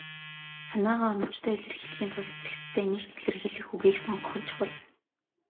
Санаагаа оновчтой илэрхийлэхийн тулд цэгцтэй, нягт илэрхийлэх үгийг сонгох нь чухал.